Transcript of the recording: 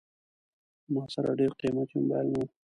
ما سره ډېر قیمتي موبایل نه و.